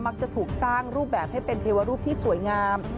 จะถูกสร้างรูปแบบให้เป็นเทวรูปที่สวยงาม